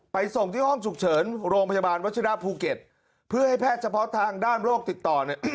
ส่งที่ห้องฉุกเฉินโรงพยาบาลวัชิระภูเก็ตเพื่อให้แพทย์เฉพาะทางด้านโรคติดต่อเนี่ย